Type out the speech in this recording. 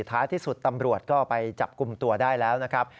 ท้ายที่สุดตำรวจก็ไปจับกลุ่มตัวได้แล้วนะครับ